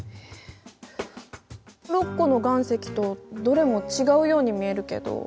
６個の岩石とどれも違うように見えるけど。